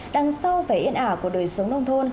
đằng sau vẻ yên ả của đời sống nông thôn